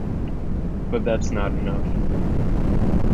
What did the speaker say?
But that's not enough.